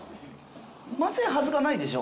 マズいはずがないでしょ？